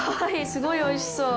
すごいおいしそう。